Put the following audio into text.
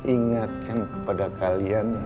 ingatkan kepada kalian